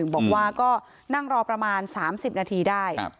บอกว่าก็นั่งรอประมาณ๓๐นาทีได้